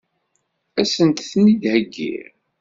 Ad sent-ten-id-heggiɣ?